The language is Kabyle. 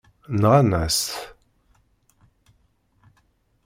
Nɣan-as-t.